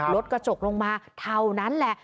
รถกระจกลงมาเท่านั้นแหละ